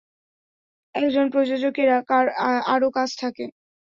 একজন প্রযোজকের আরও কাজ থাকে।